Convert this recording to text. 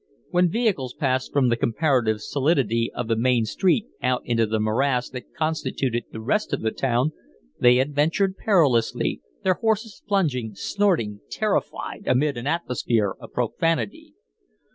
When vehicles passed from the comparative solidity of the main street out into the morasses that constituted the rest of the town, they adventured perilously, their horses plunging, snorting, terrified, amid an atmosphere of profanity.